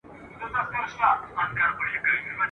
نه یې وېره د خالق نه د انسان وه !.